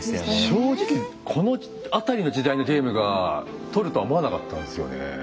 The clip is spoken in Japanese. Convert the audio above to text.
正直この辺りの時代のゲームがとるとは思わなかったんですよね。